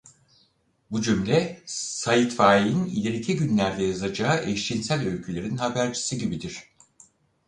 Bu cümle Sait Faik'in ileriki günlerde yazacağı eşcinsel öykülerin habercisi gibidir.